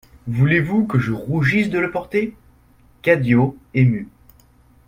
Voulez-vous que je rougisse de le porter ? CADIO, ému.